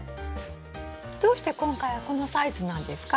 どうして今回はこのサイズなんですか？